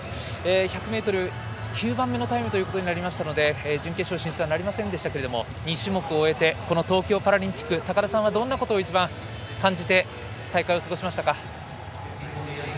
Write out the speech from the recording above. １００ｍ、９番目のタイムということになりましたので準決勝進出にはなりませんでしたけれども２種目を終えてこの東京パラリンピック高田さんは、どんなことを一番感じて大会を過ごしましたか？